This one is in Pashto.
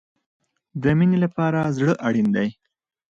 د مینې لپاره زړه اړین دی